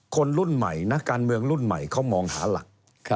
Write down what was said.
คนรุ่นใหม่นักการเมืองรุ่นใหม่เขามองหาหลัก